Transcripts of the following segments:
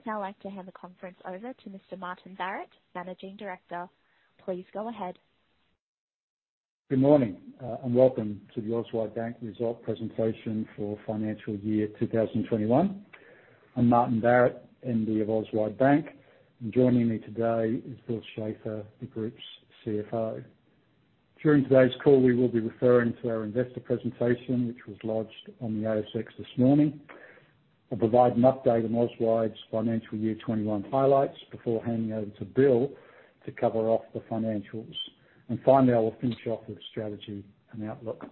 I would now like to hand the conference over to Mr. Martin Barrett, Managing Director. Please go ahead. Good morning, welcome to the Auswide Bank Result Presentation for Financial Year 2021. I'm Martin Barrett, MD of Auswide Bank, and joining me today is Bill Schafer, the group's CFO. During today's call, we will be referring to our investor presentation, which was lodged on the ASX this morning. I'll provide an update on Auswide's financial year 2021 highlights before handing over to Bill to cover off the financials. Finally, I'll finish off with strategy and outlook.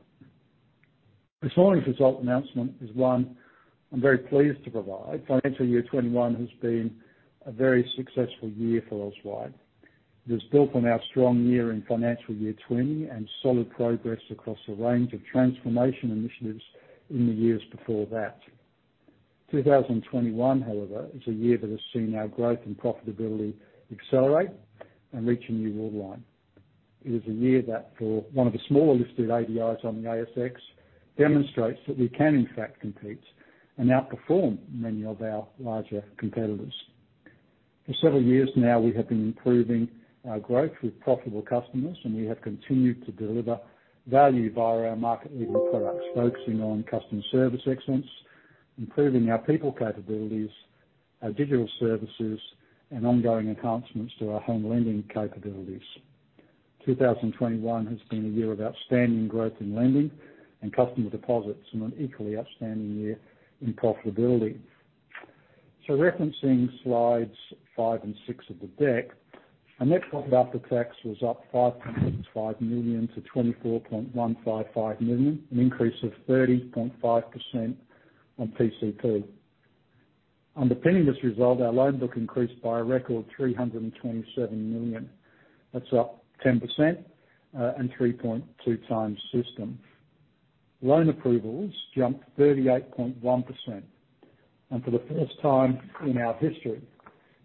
This morning's result announcement is one I'm very pleased to provide. Financial year 2021 has been a very successful year for Auswide. It is built on our strong year in financial year 2020 and solid progress across a range of transformation initiatives in the years before that. 2021, however, is a year that has seen our growth and profitability accelerate and reach a new waterline. It is a year that for one of the smaller listed ADIs on the ASX, demonstrates that we can in fact compete and outperform many of our larger competitors. For several years now, we have been improving our growth with profitable customers, and we have continued to deliver value via our market-leading products, focusing on customer service excellence, improving our people capabilities, our digital services, and ongoing enhancements to our home lending capabilities. 2021 has been a year of outstanding growth in lending and customer deposits and an equally outstanding year in profitability. Referencing slides five and six of the deck, our net profit after tax was up 5.5 million to 24.155 million, an increase of 30.5% on PCP. Underpinning this result, our loan book increased by a record 327 million. That's up 10% and 3.2x system. Loan approvals jumped 38.1% and for the first time in our history,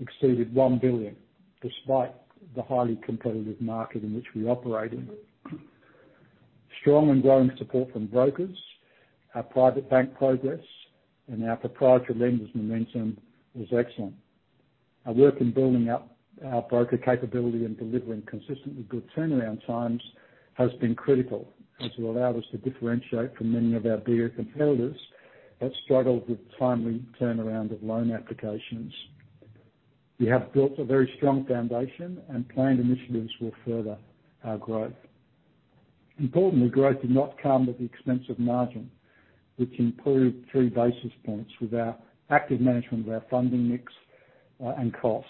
exceeded 1 billion, despite the highly competitive market in which we operate in. Strong and growing support from brokers, our private bank progress, and our proprietary lenders' momentum was excellent. Our work in building up our broker capability and delivering consistently good turnaround times has been critical, as it allowed us to differentiate from many of our bigger competitors that struggled with timely turnaround of loan applications. We have built a very strong foundation, and planned initiatives will further our growth. Importantly, growth did not come at the expense of margin, which improved 3 basis points with our active management of our funding mix and costs.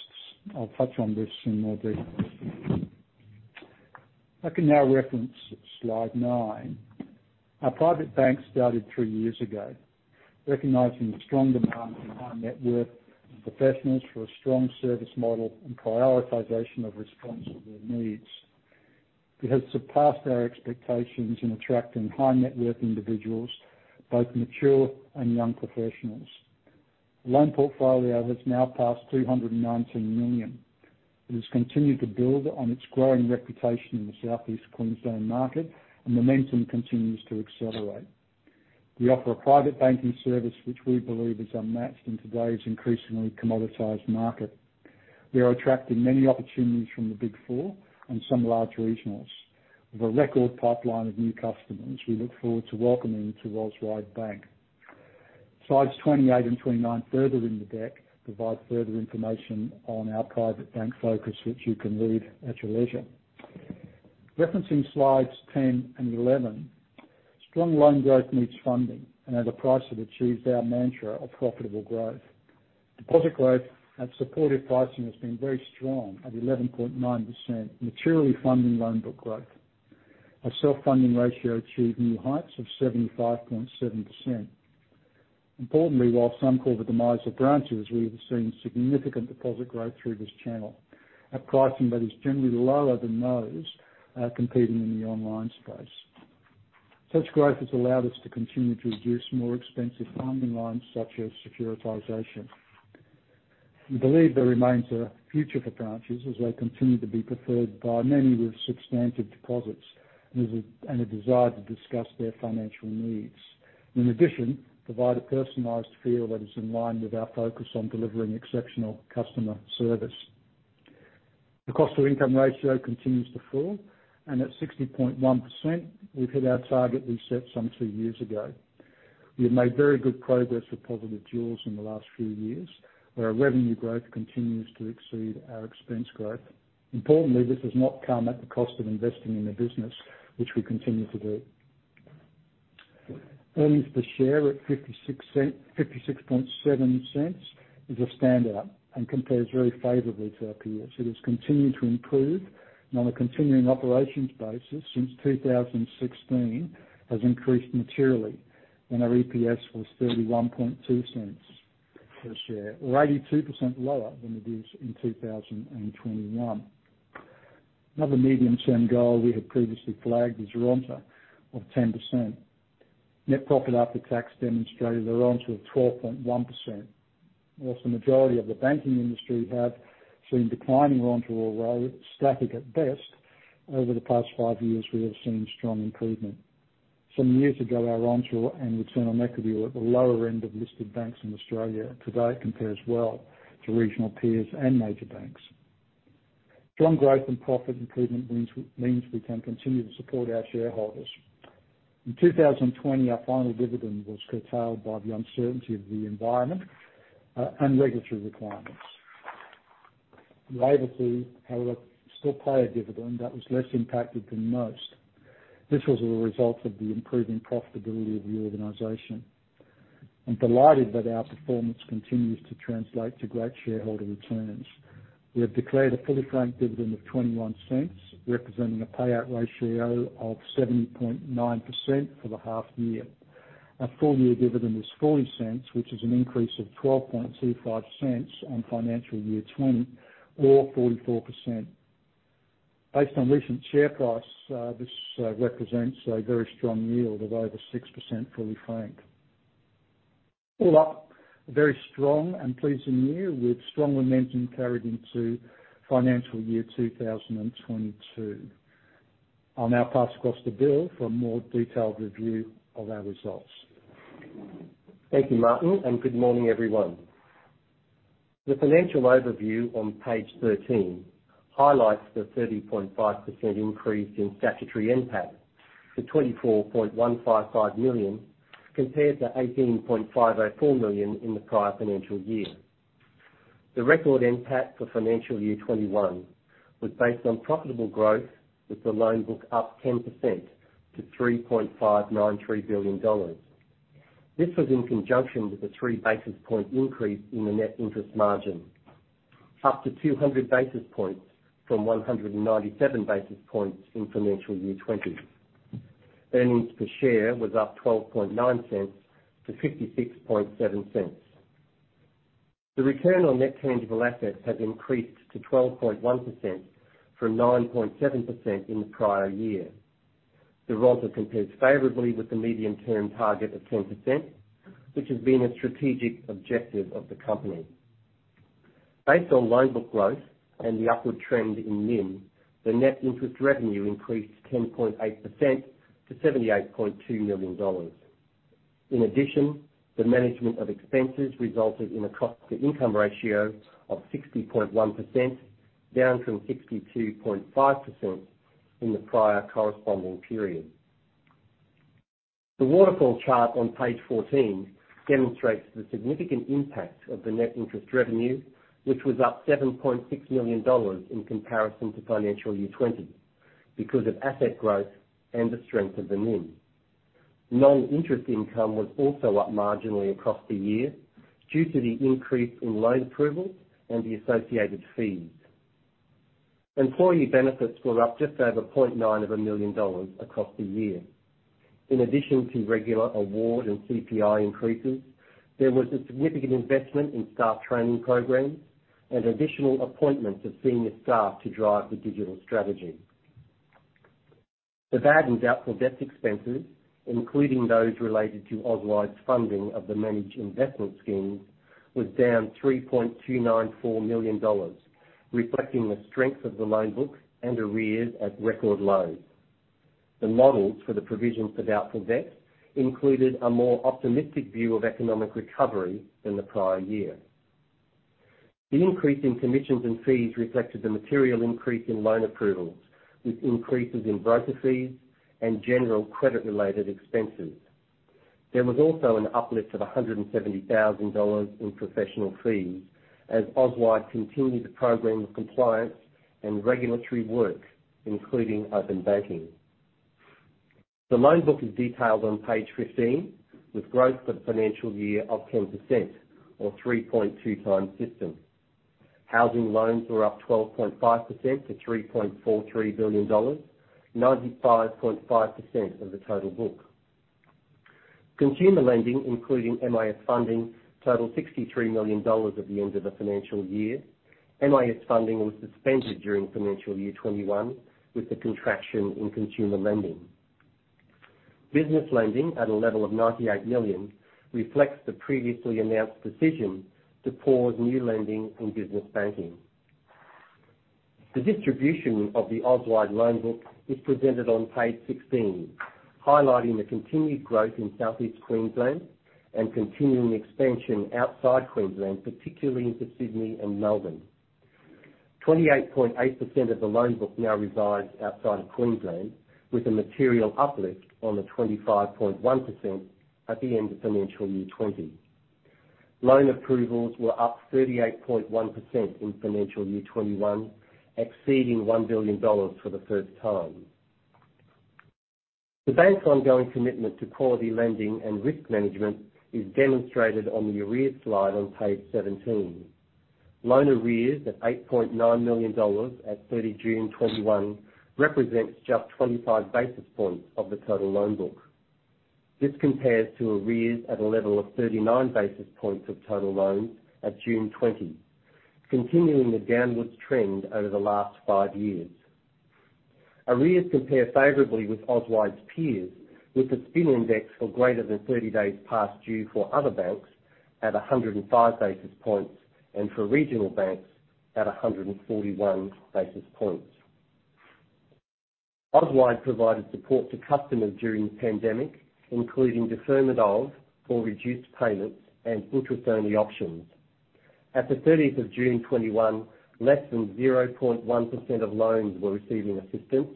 I'll touch on this in more detail. I can now reference slide nine. Our private bank started three years ago, recognizing the strong demand for high net worth and professionals for a strong service model and prioritization of responsive needs. It has surpassed our expectations in attracting high net worth individuals, both mature and young professionals. The loan portfolio has now passed 219 million. It has continued to build on its growing reputation in the Southeast Queensland market, and momentum continues to accelerate. We offer a private banking service which we believe is unmatched in today's increasingly commoditized market. We are attracting many opportunities from the Big Four and some large regionals. With a record pipeline of new customers, we look forward to welcoming them to Auswide Bank. Slides 28 and 29 further in the deck provide further information on our private bank focus, which you can read at your leisure. Referencing slides 10 and 11, strong loan growth needs funding and at a price that achieves our mantra of profitable growth. Deposit growth and supportive pricing has been very strong at 11.9%, materially funding loan book growth. Our self-funding ratio achieved new heights of 75.7%. Importantly, while some call the demise of branches, we have seen significant deposit growth through this channel. Our pricing that is generally lower than those competing in the online space. Such growth has allowed us to continue to reduce more expensive funding lines such as securitization. We believe there remains a future for branches as they continue to be preferred by many with substantive deposits and a desire to discuss their financial needs. In addition, they provide a personalized feel that is in line with our focus on delivering exceptional customer service. The cost to income ratio continues to fall, and at 60.1%, we've hit our target we set some two years ago. We have made very good progress with positive jaws in the last few years, where our revenue growth continues to exceed our expense growth. Importantly, this has not come at the cost of investing in the business, which we continue to do. Earnings per share at 0.567 is a standout and compares very favorably to our peers. It has continued to improve and on a continuing operations basis since 2016, has increased materially when our EPS was 0.312 per share or 82% lower than it is in 2021. Another medium-term goal we had previously flagged is RONTA of 10%. Net profit after tax demonstrated a RONTA of 12.1%. Whilst the majority of the banking industry have seen declining RONTA or static at best, over the past five years, we have seen strong improvement. Some years ago, our ROA and return on equity were at the lower end of listed banks in Australia. Today, it compares well to regional peers and major banks. Strong growth and profit improvement means we can continue to support our shareholders. In 2020, our final dividend was curtailed by the uncertainty of the environment and regulatory requirements. We were able to, however, still pay a dividend that was less impacted than most. This was as a result of the improving profitability of the organization. I'm delighted that our performance continues to translate to great shareholder returns. We have declared a fully franked dividend of 0.21, representing a payout ratio of 70.9% for the half year. Our full-year dividend is 0.40, which is an increase of 0.1225 on financial year 2020, or 44%. Based on recent share price, this represents a very strong yield of over 6% fully franked. All up, a very strong and pleasing year, with strong momentum carried into financial year 2022. I'll now pass across to Bill for a more detailed review of our results. Thank you, Martin, and good morning, everyone. The financial overview on page 13 highlights the 30.5% increase in statutory NPAT to 24.155 million, compared to 18.504 million in the prior financial year. The record NPAT for FY2021 was based on profitable growth, with the loan book up 10% to 3.593 billion dollars. This was in conjunction with a 3-basis point increase in the net interest margin, up to 200 basis points from 197 basis points in FY2020. Earnings per share was up 0.129 to 0.567. The return on net tangible assets has increased to 12.1% from 9.7% in the prior year. The ROA compares favorably with the medium-term target of 10%, which has been a strategic objective of the company. Based on loan book growth and the upward trend in NIM, the net interest revenue increased 10.8% to AUD 78.2 million. In addition, the management of expenses resulted in a cost-to-income ratio of 60.1%, down from 62.5% in the prior corresponding period. The waterfall chart on page 14 demonstrates the significant impact of the net interest revenue, which was up 7.6 million dollars in comparison to FY2020 because of asset growth and the strength of the NIM. Non-interest income was also up marginally across the year due to the increase in loan approvals and the associated fees. Employee benefits were up just over 0.9 of a million across the year. In addition to regular award and CPI increases, there was a significant investment in staff training programs and additional appointments of senior staff to drive the digital strategy. The bad and doubtful debt expenses, including those related to Auswide's funding of the managed investment schemes, was down 3.294 million dollars, reflecting the strength of the loan book and arrears at record lows. The models for the provisions for doubtful debt included a more optimistic view of economic recovery than the prior year. The increase in commissions and fees reflected the material increase in loan approvals, with increases in broker fees and general credit-related expenses. There was also an uplift of 170,000 dollars in professional fees as Auswide continued to program compliance and regulatory work, including Open Banking. The loan book is detailed on page 15, with growth for the financial year of 10%, or 3.2x system. Housing loans were up 12.5% to 3.43 billion dollars, 95.5% of the total book. Consumer lending, including MIS funding, totaled 63 million dollars at the end of the financial year. MIS funding was suspended during financial year 2021 with the contraction in consumer lending. Business lending at a level of 98 million reflects the previously announced decision to pause new lending in business banking. The distribution of the Auswide loan book is presented on page 16, highlighting the continued growth in Southeast Queensland and continuing expansion outside Queensland, particularly into Sydney and Melbourne. 28.8% of the loan book now resides outside of Queensland, with a material uplift on the 25.1% at the end of financial year 2020. Loan approvals were up 38.1% in financial year 2021, exceeding 1 billion dollars for the first time. The bank's ongoing commitment to quality lending and risk management is demonstrated on the arrears slide on page 17. Loan arrears at 8.9 million dollars at 30 June 2021 represents just 25 basis points of the total loan book. This compares to arrears at a level of 39 basis points of total loans at June 2020, continuing the downwards trend over the last five years. Arrears compare favorably with Auswide's peers, with the SPIN index for greater than 30 days past due for other banks at 105 basis points, and for regional banks at 141 basis points. Auswide provided support to customers during the pandemic, including deferment of or reduced payments and interest-only options. At the 30th of June 2021, less than 0.1% of loans were receiving assistance,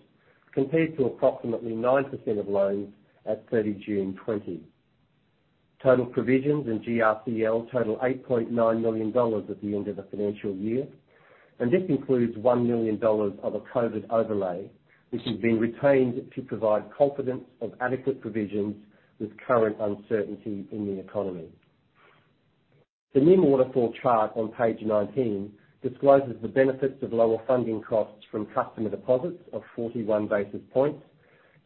compared to approximately 9% of loans at 30 June 2020. Total provisions and GRCL total 8.9 million dollars at the end of the financial year, and this includes 1 million dollars of a COVID overlay, which has been retained to provide confidence of adequate provisions with current uncertainty in the economy. The NIM waterfall chart on page 19 discloses the benefits of lower funding costs from customer deposits of 41 basis points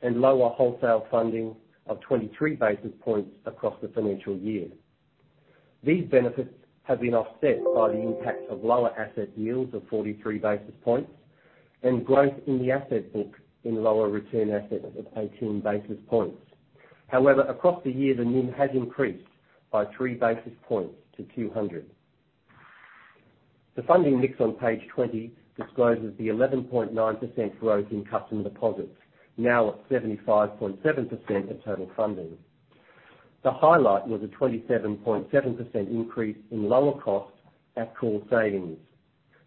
and lower wholesale funding of 23 basis points across the financial year. These benefits have been offset by the impact of lower asset yields of 43 basis points and growth in the asset book in lower return assets of 18 basis points. However, across the year, the NIM has increased by 3 basis points to 200. The funding mix on page 20 discloses the 11.9% growth in customer deposits, now at 75.7% of total funding. The highlight was a 27.7% increase in lower cost at call savings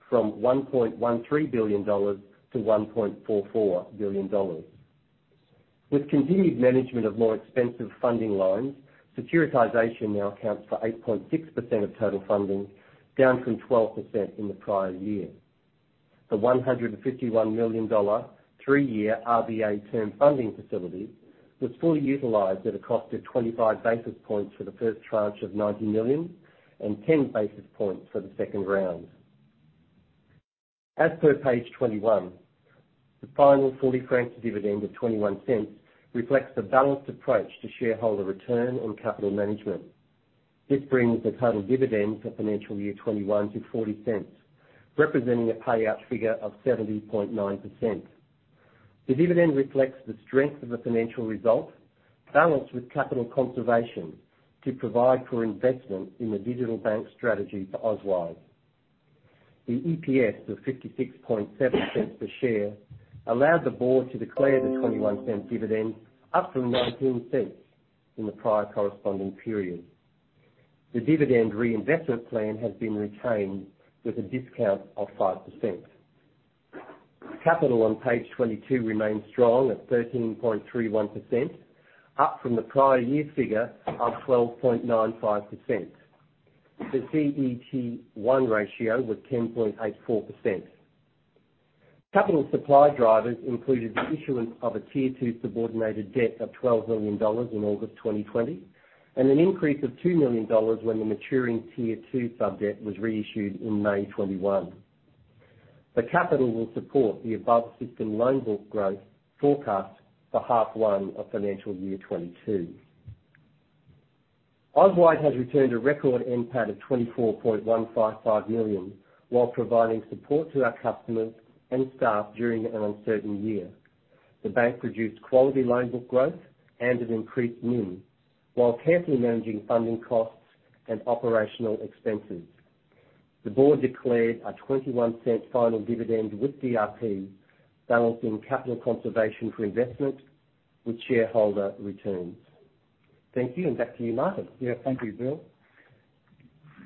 from 1.13 billion dollars to 1.44 billion dollars. With continued management of more expensive funding loans, securitization now accounts for 8.6% of total funding, down from 12% in the prior year. The 151 million dollar three-year RBA term funding facility was fully utilized at a cost of 25 basis points for the first tranche of 90 million and 10 basis points for the second round. As per page 21, the final fully franked dividend of 0.21 reflects the balanced approach to shareholder return and capital management. This brings the total dividend for financial year 2021 to 0.40, representing a payout figure of 70.9%. The dividend reflects the strength of the financial result balanced with capital conservation to provide for investment in the digital bank strategy for Auswide. The EPS of 0.567 per share allowed the board to declare the 0.21 dividend up from 0.19 in the prior corresponding period. The dividend reinvestment plan has been retained with a discount of 5%. Capital on page 22 remains strong at 13.31%, up from the prior year figure of 12.95%. The CET1 ratio was 10.84%. Capital supply drivers included the issuance of a Tier 2 subordinated debt of 12 million dollars in August 2020, and an increase of 2 million dollars when the maturing Tier 2 subdebt was reissued in May 2021. The capital will support the above system loan book growth forecast for half one of financial year 2022. Auswide has returned a record NPAT of 24.155 million while providing support to our customers and staff during an uncertain year. The bank produced quality loan book growth and an increased NIM, while carefully managing funding costs and operational expenses. The board declared a 0.21 final dividend with DRP balancing capital conservation for investment with shareholder returns. Thank you, and back to you, Martin. Yeah. Thank you, Bill.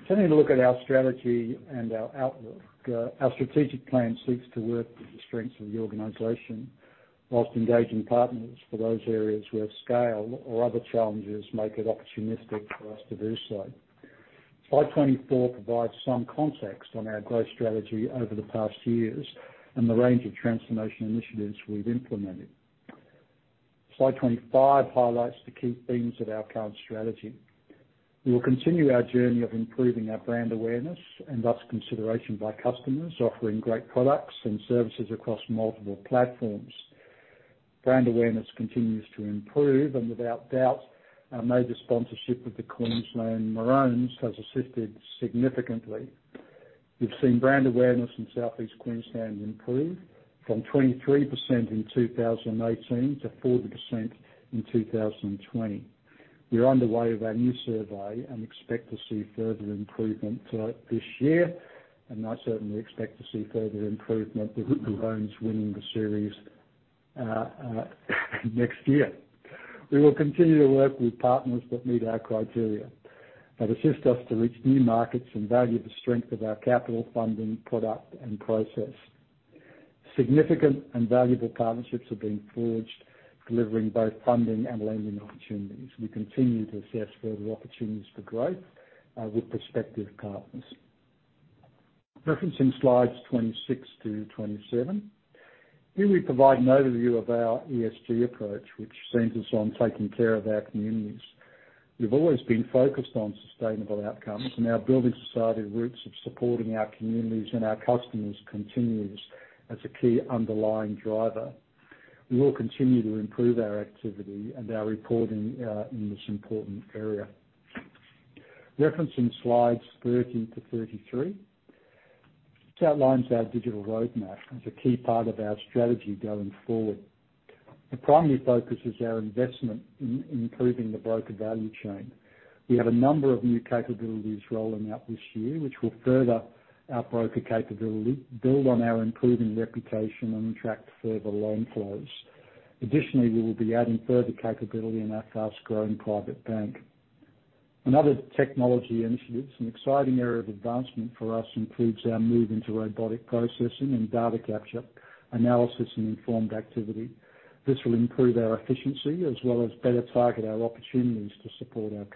Turning to look at our strategy and our outlook. Our strategic plan seeks to work with the strengths of the organization while engaging partners for those areas where scale or other challenges make it opportunistic for us to do so. Slide 24 provides some context on our growth strategy over the past years and the range of transformation initiatives we've implemented. Slide 25 highlights the key themes of our current strategy. We will continue our journey of improving our brand awareness and thus consideration by customers, offering great products and services across multiple platforms. Brand awareness continues to improve without doubt, our major sponsorship of the Queensland Maroons has assisted significantly. We've seen brand awareness in Southeast Queensland improve from 23% in 2018 to 40% in 2020. We are underway with our new survey and expect to see further improvement this year, and I certainly expect to see further improvement with Maroons winning the series next year. We will continue to work with partners that meet our criteria, that assist us to reach new markets and value the strength of our capital funding product and process. Significant and valuable partnerships are being forged, delivering both funding and lending opportunities. We continue to assess further opportunities for growth, with prospective partners. Referencing slides 26 to 27. Here we provide an overview of our ESG approach, which centers on taking care of our communities. We've always been focused on sustainable outcomes and our building society roots of supporting our communities and our customers continues as a key underlying driver. We will continue to improve our activity and our reporting in this important area. Referencing slides 30 to 33. This outlines our digital roadmap as a key part of our strategy going forward. The primary focus is our investment in improving the broker value chain. We have a number of new capabilities rolling out this year, which will further our broker capability, build on our improving reputation, and attract further loan flows. Additionally, we will be adding further capability in our fast-growing private bank. Another technology initiative, an exciting area of advancement for us, includes our move into robotic processing and data capture analysis and informed activity. This will improve our efficiency as well as better target our opportunities to support our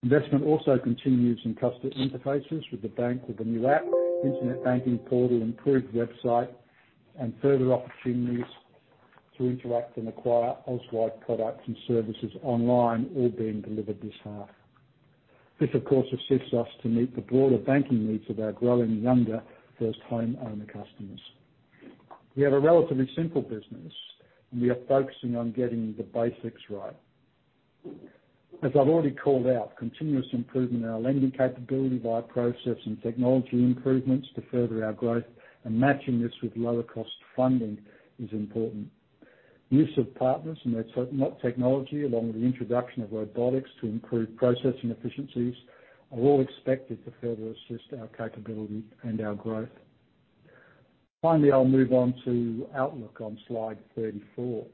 customers. Investment also continues in customer interfaces with the bank with the new app, internet banking portal, improved website, and further opportunities to interact and acquire Auswide products and services online all being delivered this half. This, of course, assists us to meet the broader banking needs of our growing younger first-homeowner customers. We have a relatively simple business. We are focusing on getting the basics right. As I've already called out, continuous improvement in our lending capability by process and technology improvements to further our growth and matching this with lower cost funding is important. Use of partners and their technology along with the introduction of robotics to improve processing efficiencies are all expected to further assist our capability and our growth. Finally, I'll move on to outlook on slide 34.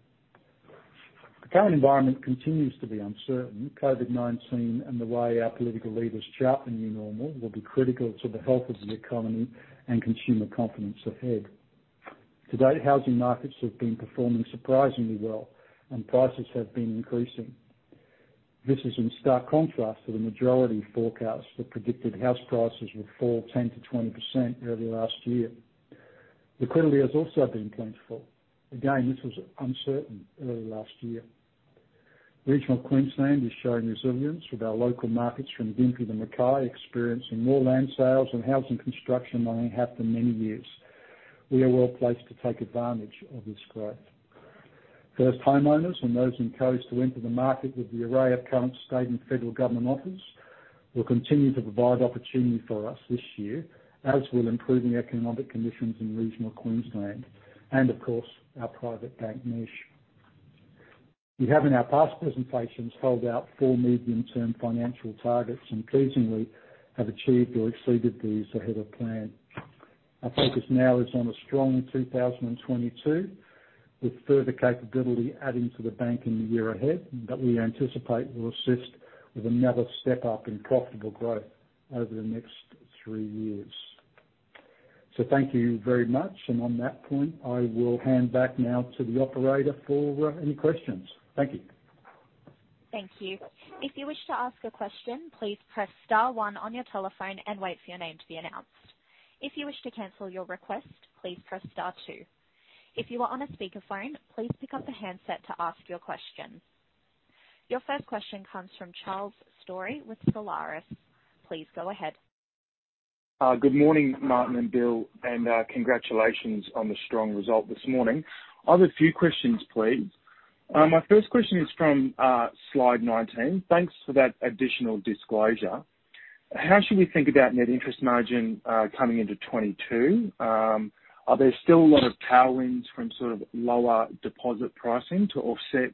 The current environment continues to be uncertain. COVID-19 and the way our political leaders chart the new normal will be critical to the health of the economy and consumer confidence ahead. To date, housing markets have been performing surprisingly well, and prices have been increasing. This is in stark contrast to the majority forecasts that predicted house prices would fall 10%-20% early last year. Liquidity has also been plentiful. Again, this was uncertain early last year. Regional Queensland is showing resilience, with our local markets from Gympie to Mackay experiencing more land sales and housing construction than in half the many years. We are well-placed to take advantage of this growth. First homeowners and those encouraged to enter the market with the array of current state and federal government offers will continue to provide opportunity for us this year, as will improving economic conditions in regional Queensland and, of course, our private bank niche. We have, in our past presentations, held out four medium-term financial targets and pleasingly have achieved or exceeded these ahead of plan. Our focus now is on a strong 2022, with further capability adding to the bank in the year ahead that we anticipate will assist with another step-up in profitable growth over the next three years. Thank you very much. On that point, I will hand back now to the operator for any questions. Thank you. Thank you. Your first question comes from Charles Story with Solaris. Please go ahead. Good morning, Martin and Bill, and congratulations on the strong result this morning. I have a few questions, please. My first question is from slide 19. Thanks for that additional disclosure. How should we think about net interest margin coming into 2022? Are there still a lot of tailwinds from sort of lower deposit pricing to offset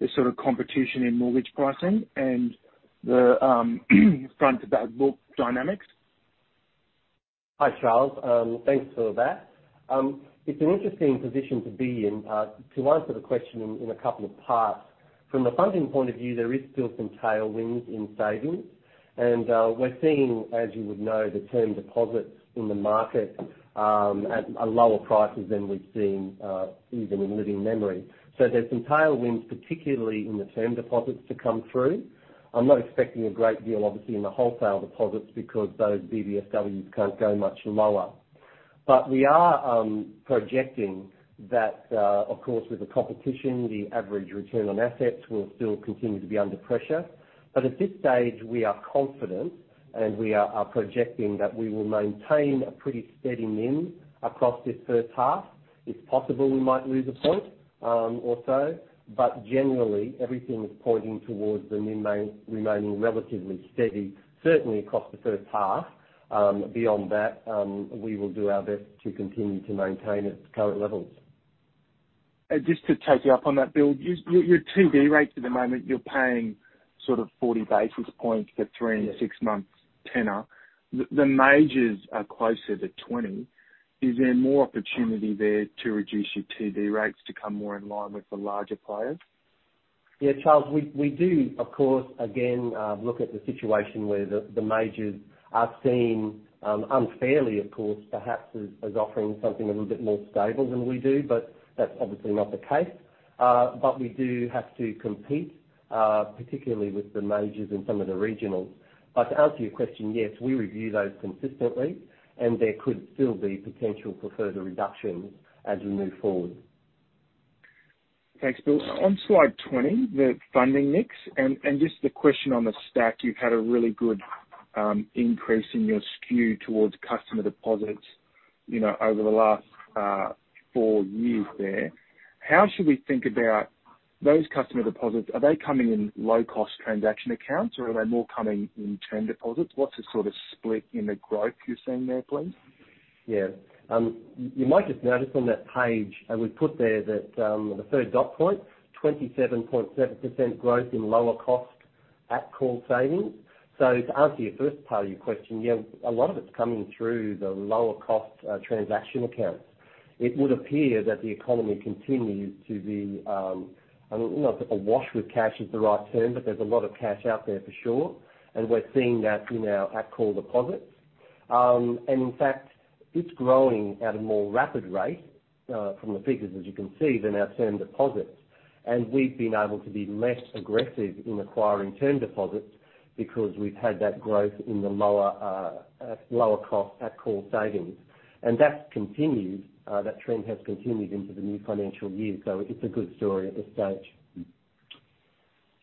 the sort of competition in mortgage pricing and the front of that book dynamics? Hi, Charles. Thanks for that. It's an interesting position to be in. To answer the question in a couple of parts. From the funding point of view, there is still some tailwinds in savings, and we're seeing, as you would know, the term deposits in the market at lower prices than we've seen even in living memory. There's some tailwinds, particularly in the term deposits, to come through. I'm not expecting a great deal, obviously, in the wholesale deposits because those BBSW can't go much lower. We are projecting that, of course, with the competition, the average return on assets will still continue to be under pressure. At this stage, we are confident, and we are projecting that we will maintain a pretty steady NIM across this first half. It's possible we might lose a point or so, but generally, everything is pointing towards the NIM remaining relatively steady, certainly across the first half. Beyond that, we will do our best to continue to maintain at current levels. Just to take you up on that, Bill, your TD rates at the moment, you're paying sort of 40 basis points for three and six months tenor. The majors are closer to 20. Is there more opportunity there to reduce your TD rates to come more in line with the larger players? Yeah, Charles, we do, of course, again, look at the situation where the majors are seen unfairly, of course, perhaps as offering something a little bit more stable than we do, but that's obviously not the case. We do have to compete, particularly with the majors and some of the regionals. To answer your question, yes, we review those consistently, and there could still be potential for further reductions as we move forward. Thanks, Bill. On slide 20, the funding mix, just the question on the stack, you've had a really good increase in your skew towards customer deposits over the last four years there, how should we think about those customer deposits? Are they coming in low-cost transaction accounts, or are they more coming in term deposits? What's the sort of split in the growth you're seeing there, please? You might have noticed on that page, we put there that the third dot point, 27.7% growth in lower cost at-call savings. To answer your first part of your question, a lot of it's coming through the lower cost transaction accounts. It would appear that the economy continues to be, I don't know if awash with cash is the right term, but there's a lot of cash out there for sure, and we're seeing that in our at-call deposits. In fact, it's growing at a more rapid rate, from the figures, as you can see, than our term deposits. We've been able to be less aggressive in acquiring term deposits because we've had that growth in the lower cost at-call savings. That trend has continued into the new financial year. It's a good story at this stage.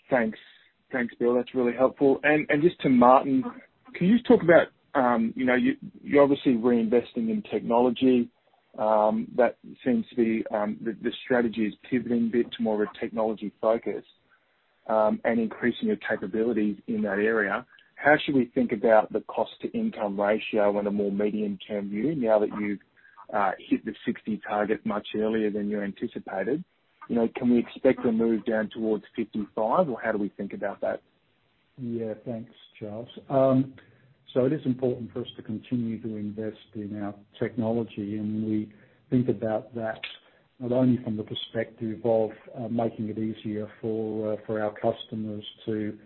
Thanks, Bill. That's really helpful. Just to Martin, can you talk about, you're obviously reinvesting in technology. The strategy is pivoting a bit to more of a technology focus, and increasing your capabilities in that area. How should we think about the cost-to-income ratio on a more medium-term view now that you've hit the 60 target much earlier than you anticipated? Can we expect a move down towards 55, or how do we think about that? Yeah. Thanks, Charles. It is important for us to continue to invest in our technology, and we think about that not only from the perspective of making it easier for our customers to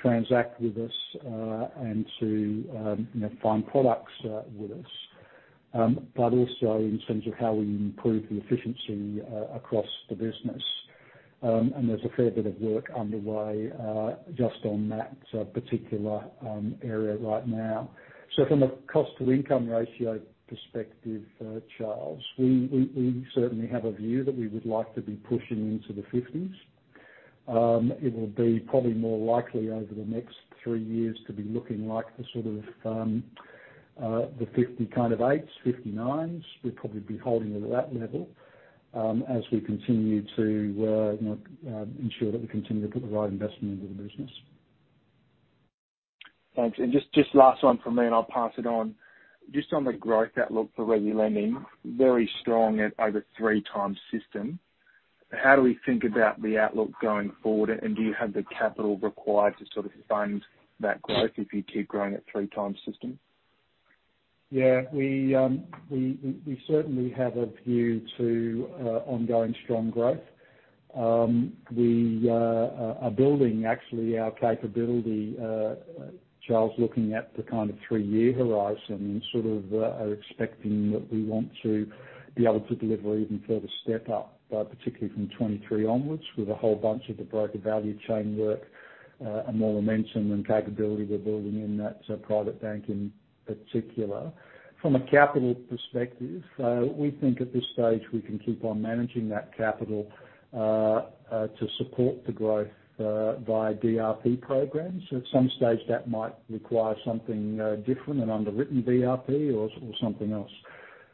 transact with us and to find products with us, but also in terms of how we improve the efficiency across the business. There's a fair bit of work underway just on that particular area right now. From a cost-to-income ratio perspective, Charles, we certainly have a view that we would like to be pushing into the 50s. It will be probably more likely over the next three years to be looking like the sort of, the 58, 59s. We'd probably be holding it at that level as we continue to ensure that we continue to put the right investment into the business. Thanks. Just last one from me, and I'll pass it on. Just on the growth outlook for resi lending, very strong at over 3x system. How do we think about the outlook going forward, and do you have the capital required to sort of fund that growth if you keep growing at 3x system? Yeah. We certainly have a view to ongoing strong growth. We are building, actually, our capability, Charles, looking at the kind of three-year horizon, sort of are expecting that we want to be able to deliver even further step up, particularly from 2023 onwards, with a whole bunch of the broker value chain work and more momentum and capability we're building in that private bank in particular. From a capital perspective, we think at this stage, we can keep on managing that capital to support the growth via DRP programs. At some stage, that might require something different, an underwritten DRP or something else.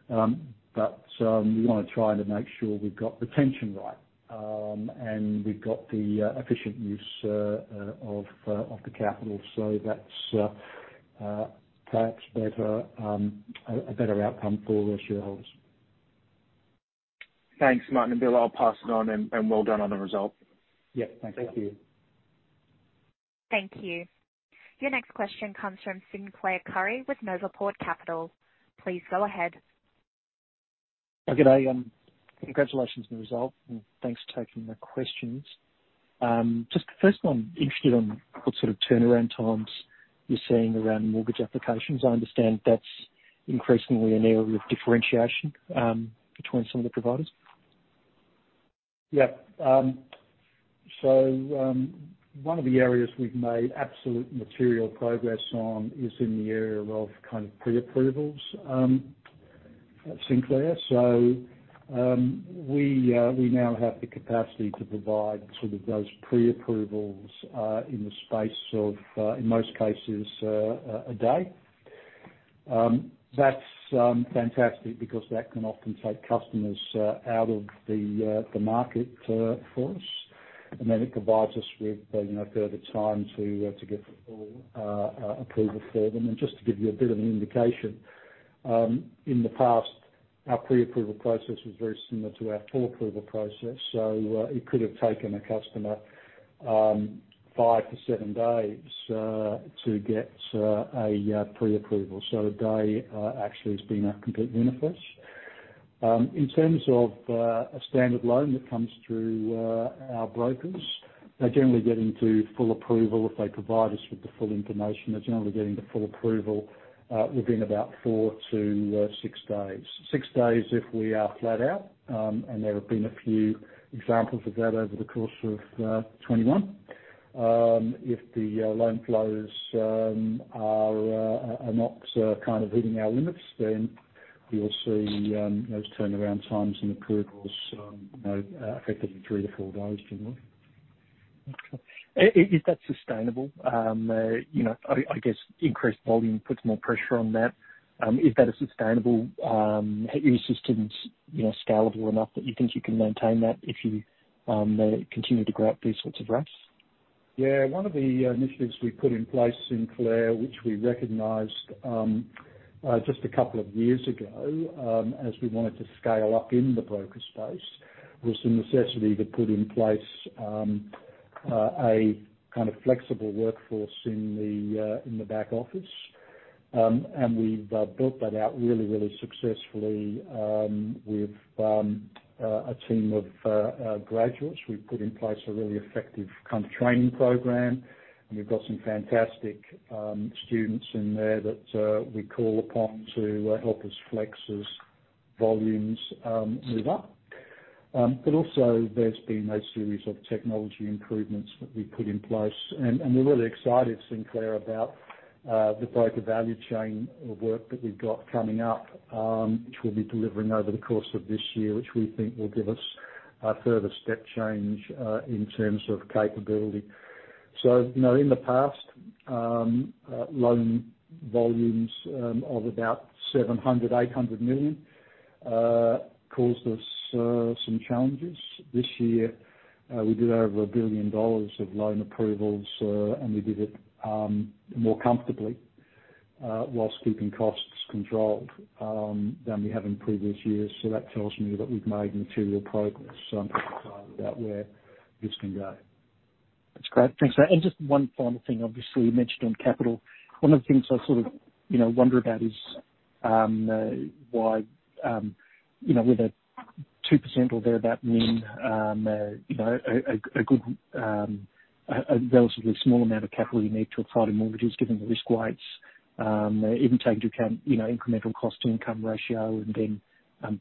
We want to try to make sure we've got the tension right, and we've got the efficient use of the capital so that's perhaps a better outcome for our shareholders. Thanks, Martin and Bill. I'll pass it on, and well done on the result. Yeah. Thanks. Thank you. Thank you. Your next question comes from Sinclair Currie with NovaPort Capital. Please go ahead. Good day. Congratulations on the result. Thanks for taking the questions. Just first one, I'm interested on what sort of turnaround times you're seeing around the mortgage applications. I understand that's increasingly an area of differentiation between some of the providers. Yeah. One of the areas we've made absolute material progress on is in the area of kind of pre-approvals, Sinclair. We now have the capacity to provide sort of those pre-approvals in the space of, in most cases, a day. That's fantastic because that can often take customers out of the market for us, and then it provides us with further time to get full approval for them. Just to give you a bit of an indication, in the past, our pre-approval process was very similar to our full approval process. It could have taken a customer five to seven days to get a pre-approval. A day actually has been a complete win for us. In terms of a standard loan that comes through our brokers, they generally get into full approval if they provide us with the full information. They generally get into full approval within about four to six days. Six days if we are flat out, and there have been a few examples of that over the course of 2021. If the loan flows are not kind of hitting our limits, then we'll see those turnaround times and approvals effectively three to four days, generally. Okay. Is that sustainable? I guess increased volume puts more pressure on that. Is that a sustainable system, scalable enough that you think you can maintain that if you continue to grow at these sorts of rates? Yeah. One of the initiatives we put in place, Sinclair, which we recognized just a couple of years ago, as we wanted to scale up in the broker space, was the necessity to put in place a kind of flexible workforce in the back office. We've built that out really successfully with a team of graduates. We've put in place a really effective training program, and we've got some fantastic students in there that we call upon to help us flex as volumes move up. Also there's been a series of technology improvements that we've put in place, and we're really excited, Sinclair, about the broker value chain work that we've got coming up, which we'll be delivering over the course of this year, which we think will give us a further step change in terms of capability. In the past, loan volumes of about 700 million-800 million caused us some challenges. This year, we did over 1 billion dollars of loan approvals, and we did it more comfortably while keeping costs controlled, than we have in previous years. That tells me that we've made material progress. I'm pretty excited about where this can go. That's great. Thanks for that. Just one final thing, obviously, you mentioned on capital. One of the things I sort of wonder about is whether 2% or thereabout NIM, a relatively small amount of capital you need to acquire the mortgages, given the risk weights, even take into account incremental cost to income ratio and then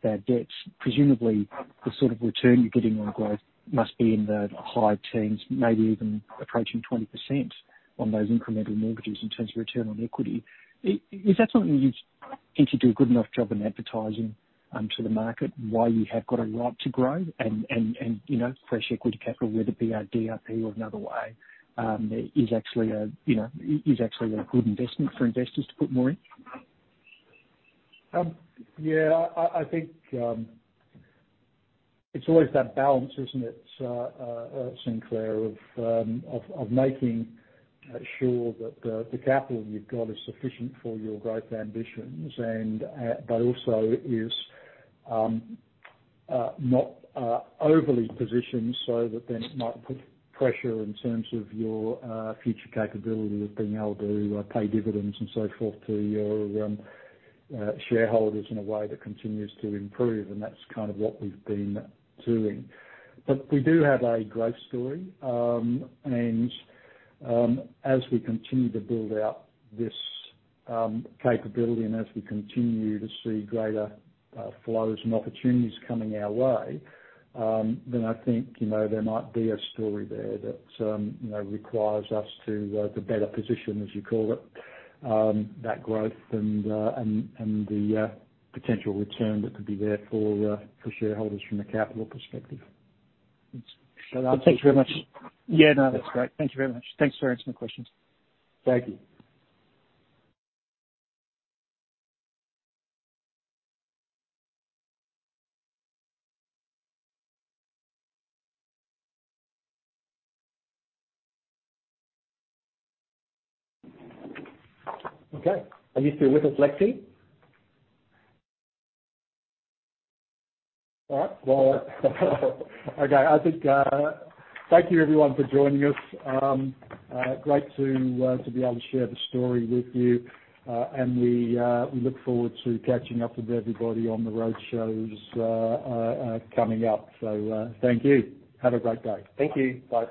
bad debts. Presumably the sort of return you're getting on growth must be in the high teens, maybe even approaching 20% on those incremental mortgages in terms of return on equity. Is that something you think you do a good enough job in advertising to the market, why you have got a right to grow and fresh equity capital, whether it be a DRP or another way, is actually a good investment for investors to put more in? Yeah, I think it's always that balance, isn't it, Sinclair, of making sure that the capital you've got is sufficient for your growth ambitions, but also is not overly positioned so that then it might put pressure in terms of your future capability of being able to pay dividends and so forth to your shareholders in a way that continues to improve. That's kind of what we've been doing. We do have a growth story. As we continue to build out this capability and as we continue to see greater flows and opportunities coming our way, then I think there might be a story there that requires us to better position, as you call it, that growth and the potential return that could be there for shareholders from the capital perspective. Thanks very much. Yeah, no, that's great. Thank you very much. Thanks for answering my questions. Thank you. Okay. Are you still with us, Lexi? All right. Well, okay, I think thank you everyone for joining us. Great to be able to share the story with you. We look forward to catching up with everybody on the road shows coming up. Thank you. Have a great day. Thank you. Bye.